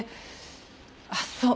あっそう